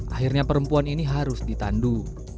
akhirnya perempuan ini harus ditandu